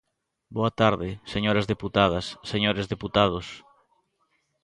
Boa tarde, señoras deputadas, señores deputados.